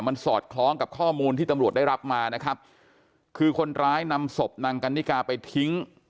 มันสอดคล้องกับข้อมูลที่ตำรวจได้รับมานะครับคือคนร้ายนำศพนางกันนิกาไปทิ้ง